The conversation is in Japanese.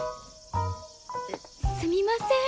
すみません。